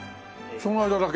その間だけ？